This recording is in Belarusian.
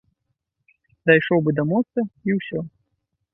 Дайшоў бы да моста, і ўсё.